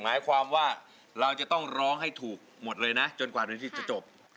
หมายความว่าเราจะต้องร้องให้ถูกหมดเลยนะจนกว่านาทีจะจบ